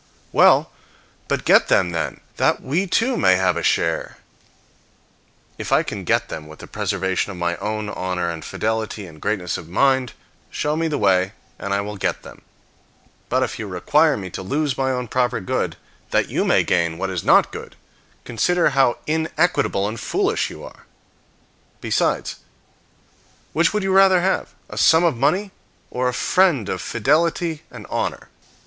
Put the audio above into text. "Well, but get them, then, that we too may have a share." If I can get them with the preservation of my own honor and fidelity and greatness of mind, show me the way and I will get them; but if you require me to lose my own proper good that you may gain what is not good, consider how inequitable and foolish you are. Besides, which would you rather have, a sum of money, or a friend of fidelity and honor?